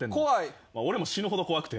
俺も死ぬほど怖くて。